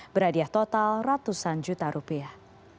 berhadiah total ratusan juta rupiah